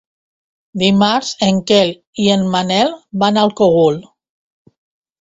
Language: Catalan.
Dimarts en Quel i en Manel van al Cogul.